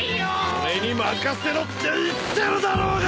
俺に任せろって言ってるだろうが！！